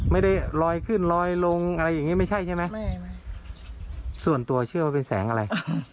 ลอยขึ้นลอยลงอะไรอย่างงี้ไม่ใช่ใช่ไหมส่วนตัวเชื่อว่าเป็นแสงอะไร